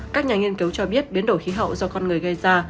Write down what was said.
các nhà nghiên cứu cho biết biến đổi khí hậu do con người gây ra